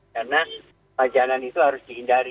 karena pajanan itu harus dihindari